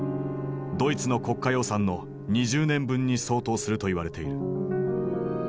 ドイツの国家予算の２０年分に相当すると言われている。